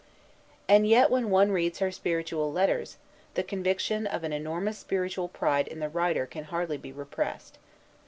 And yet, when one reads her "Spiritual Letters," the conviction of an enormous spiritual pride in the writer can hardly be repressed.